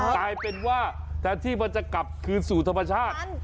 กลายเป็นว่าแทนที่มันจะกลับคืนสู่ธรรมชาติ